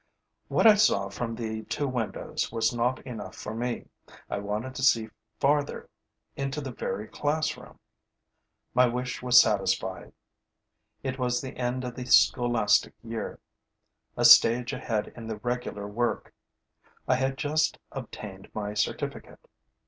What I saw from the two windows was not enough for me. I wanted to see farther, into the very classroom. My wish was satisfied. It was the end of the scholastic year. A stage ahead in the regular work, I had just obtained my certificate.